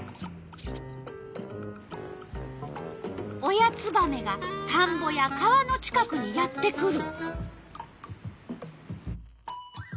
親ツバメがたんぼや川の近くにやって来る。